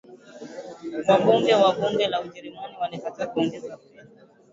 Wabunge wa bunge la Ujerumani walikataa kuongeza fedha